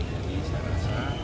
jadi saya rasa